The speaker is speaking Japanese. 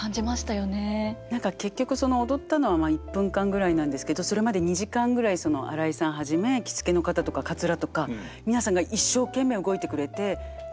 何か結局その踊ったのは１分間ぐらいなんですけどそれまで２時間ぐらい新井さんはじめ着付けの方とかかつらとか皆さんが一生懸命動いてくれてで優しいんですよ。